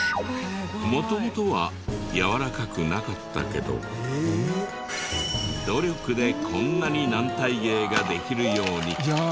元々はやわらかくなかったけど努力でこんなに軟体芸ができるように。